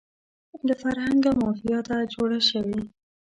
له فرهنګه مافیا ده جوړه شوې